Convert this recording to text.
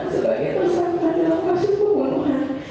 sebagai tersangka dalam kasus pembunuhan